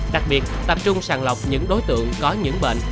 đặc biệt tập trung sàng lọc những đối tượng có những bệnh